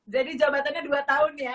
jadi jabatannya dua tahun ya